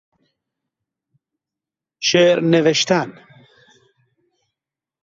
شعر نوشتن